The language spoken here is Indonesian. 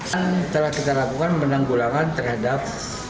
dan telah kita lakukan menanggulangan terhadap